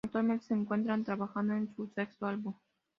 Actualmente se encuentran trabajando en su sexto álbum.